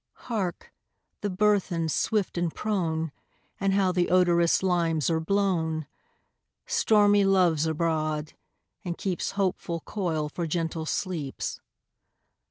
Hark! the burthen, swift and prone! And how the odorous limes are blown! Stormy Love's abroad, and keeps Hopeful coil for gentle sleeps.